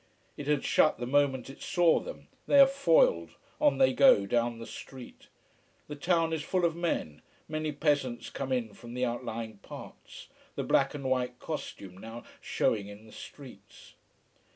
It had shut the moment it saw them, they are foiled, on they go down the street. The town is full of men, many peasants come in from the outlying parts, the black and white costume now showing in the streets.